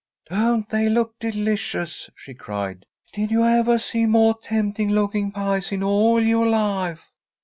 "Don't they look delicious?" she cried. "Did you evah see moah tempting looking pies in all yoah life?